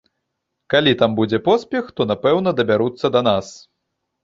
Калі там будзе поспех, то, напэўна, дабяруцца да нас.